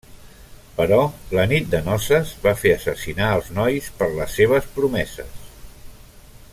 Però la nit de noces va fer assassinar els nois per les seves promeses.